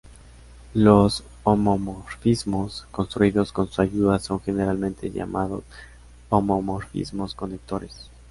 Los homomorfismos construidos con su ayuda son generalmente llamados "homomorfismos conectores".